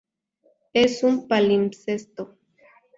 Es un palimpsesto.